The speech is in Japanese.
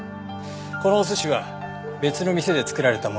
このお寿司は別の店で作られたものだと思います。